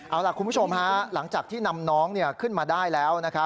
เอาล่ะคุณผู้ชมหลังจากที่นำน้องขึ้นมาได้แล้ว